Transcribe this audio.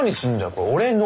これ俺の！